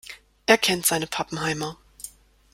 Er kennt seine Pappenheimer.